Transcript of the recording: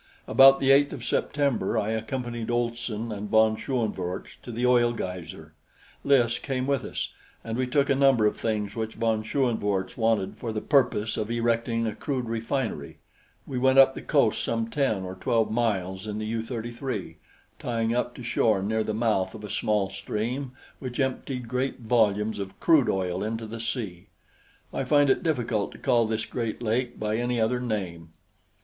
About the 8th of September I accompanied Olson and von Schoenvorts to the oil geyser. Lys came with us, and we took a number of things which von Schoenvorts wanted for the purpose of erecting a crude refinery. We went up the coast some ten or twelve miles in the U 33, tying up to shore near the mouth of a small stream which emptied great volumes of crude oil into the sea I find it difficult to call this great lake by any other name.